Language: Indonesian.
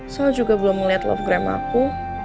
soalnya juga belum ngeliat lovegram aku